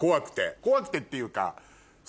怖くてっていうか。